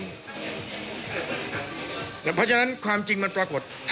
เพราะฉะนั้นความจริงมันปรากฏ